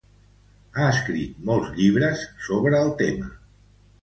Ha escrit molts llibres sobre el tema.